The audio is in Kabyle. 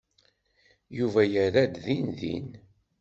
Yuba yerra-d dindin.